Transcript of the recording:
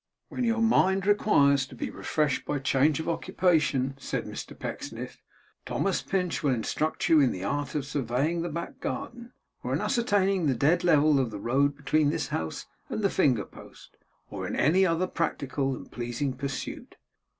'When your mind requires to be refreshed by change of occupation,' said Mr Pecksniff, 'Thomas Pinch will instruct you in the art of surveying the back garden, or in ascertaining the dead level of the road between this house and the finger post, or in any other practical and pleasing pursuit.